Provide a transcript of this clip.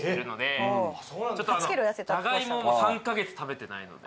ちょっとじゃがいもも３カ月食べてないので。